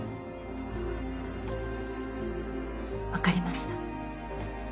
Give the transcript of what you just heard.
分かりました。